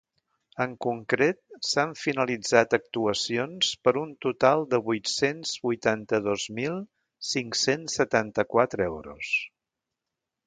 En concret, s’han finalitzat actuacions per un total de vuit-cents vuitanta-dos mil cinc-cents setanta-quatre euros.